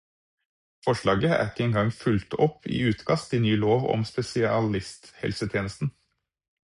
Forslaget er ikke engang fulgt opp i utkast til ny lov om spesialisthelsetjenesten.